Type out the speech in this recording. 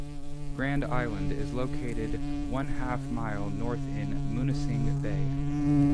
Grand Island is located one half mile north in Munising Bay.